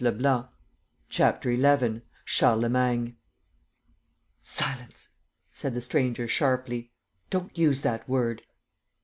"I?" "Yes, Sire." CHAPTER XI CHARLEMAGNE "Silence!" said the stranger, sharply. "Don't use that word."